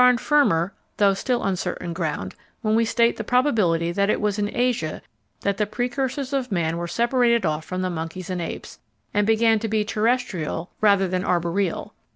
] We are on firmer, though still uncertain, ground when we state the probability that it was in Asia that the precursors of man were separated off from monkeys and apes, and began to be terrestrial rather than arboreal.